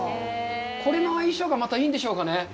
これの相性がまたいいんでしょうか。